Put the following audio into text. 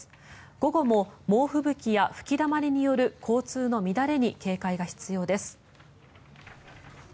午後も猛吹雪や吹きだまりによる交通の乱れに警戒が必要です。